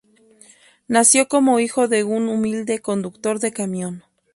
Nació como hijo de un humilde conductor de camión.